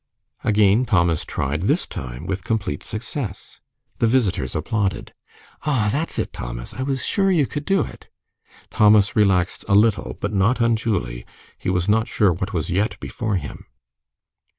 Again Thomas tried, this time with complete success. The visitors applauded. "Ah, that's it, Thomas. I was sure you could do it." Thomas relaxed a little, but not unduly. He was not sure what was yet before him.